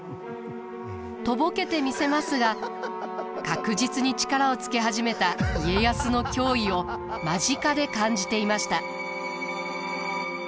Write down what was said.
とぼけてみせますが確実に力をつけ始めた家康の脅威を間近で感じていました。